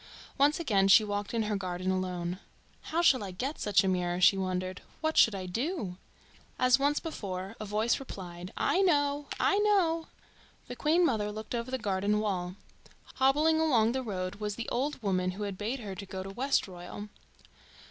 Once again she walked in her garden alone. "How shall I get such a mirror?" she wondered. "What should I do?" As once before, a voice replied "I know! I know!" The Queen mother looked over the garden wall. Hobbling along the road was the old woman who had bade her go to Westroyal.